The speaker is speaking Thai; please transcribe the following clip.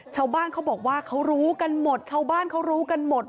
ชาวบ้านเขาบอกว่าเขารู้กันหมดชาวบ้านเขารู้กันหมด